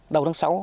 đầu tháng sáu